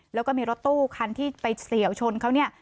แล้วก็มีรถตู้คันที่ไปเฉียวชนเขาเนี่ย